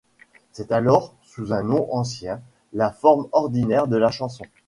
C’est alors, sous un nom ancien, la forme ordinaire de la chanson.